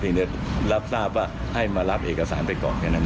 เพียงจะรับทราบว่าให้มารับเอกสารไปก่อนกันอันนี้ครับ